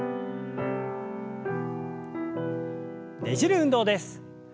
ねじる運動です。